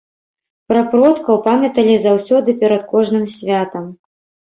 Пра продкаў памяталі заўсёды перад кожным святам.